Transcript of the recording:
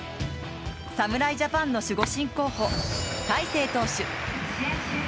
侍ジャパンの守護神候補・大勢投手。